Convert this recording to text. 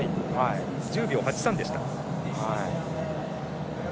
１０秒８３でした。